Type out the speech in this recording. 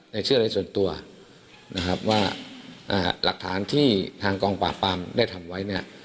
แต่เชื่ออะไรส่วนตัวนะครับว่าหลักฐานที่ทางกองปราบปรามได้ทำไว้เนี่ย